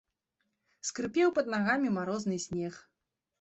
Скрыпеў пад нагамі марозны снег.